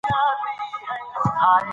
ابن خلدون دې علم ته د عمران علم ویلی و.